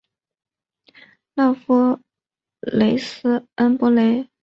勒夫雷斯恩波雷。